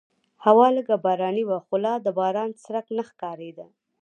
هوا لږه باراني وه خو لا د باران څرک نه ښکارېده.